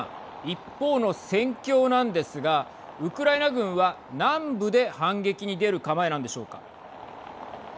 一方の戦況なんですがウクライナ軍は南部で反撃に出る構えなんでしょうか。